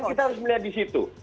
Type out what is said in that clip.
kita harus melihat di situ